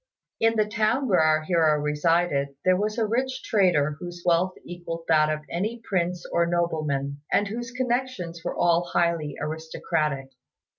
In the town where our hero resided, there was a rich trader whose wealth equalled that of any prince or nobleman, and whose connections were all highly aristocratic.